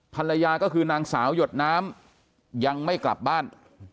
ภรรยาก็คือนางสาวหยดน้ำยังไม่กลับบ้าน